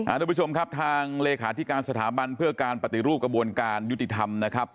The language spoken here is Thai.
ทุกผู้ชมครับทางเลขาธิการสถาบันเพื่อการปฏิรูปกระบวนการยุติธรรมนะครับ